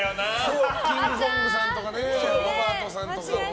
キングコングさんとかロバートさんとか。